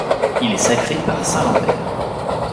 Il est sacré par saint Lantbert.